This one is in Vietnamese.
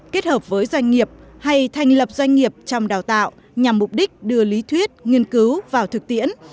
kết hợp với doanh nghiệp hay thành lập doanh nghiệp trong đào tạo nhằm mục đích đưa lý thuyết nghiên cứu vào thực tiễn